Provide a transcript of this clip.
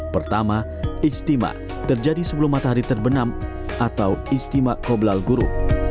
pertama ijtima terjadi sebelum matahari terbenam atau istimewa koblal guru